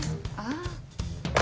ああ。